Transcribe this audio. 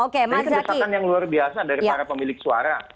jadi desakan yang luar biasa dari para pemilik suara